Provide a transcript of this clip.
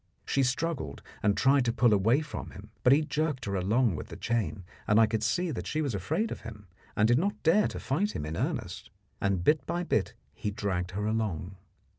She struggled and tried to pull away from him, but he jerked her along with the chain, and I could see that she was afraid of him, and did not dare to fight him in earnest, and bit by bit he dragged her along.